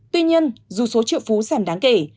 tuy nhiên dù số triệu phú giảm đáng kể